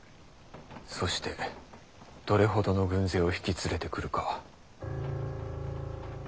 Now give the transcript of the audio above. そしてどれほどの軍勢を引き連れてくるか。